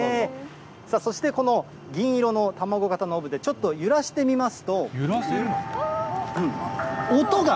さあそして、この銀色の卵型のオブジェ、ちょっと揺らしてみますと。